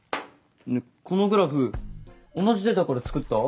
このグラフ同じデータから作った？